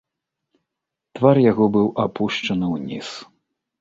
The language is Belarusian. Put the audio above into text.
Твар яго быў апушчаны ўніз.